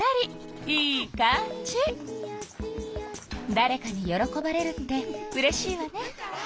だれかに喜ばれるってうれしいわね。